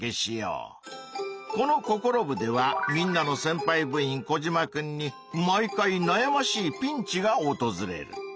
この「ココロ部！」ではみんなのせんぱい部員コジマくんに毎回なやましいピンチがおとずれる。